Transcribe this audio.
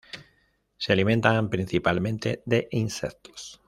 Se alimentan principalmente de insectos.